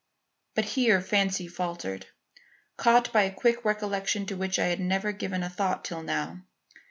But here fancy faltered, caught by a quick recollection to which I had never given a thought till now.